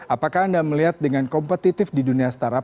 apakah anda melihat dengan kompetitif di dunia startup